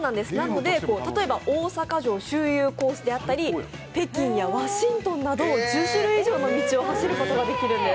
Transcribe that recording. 例えば大阪城周遊コースであったり、北京やワシントンなど１０種類以上の道を走ることができるんです。